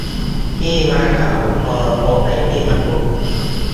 ที่มากล่าวสุนทรพจน์ในที่ประชุม